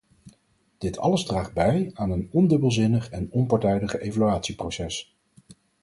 Dit alles draagt bij aan een ondubbelzinnig en onpartijdig evaluatieproces.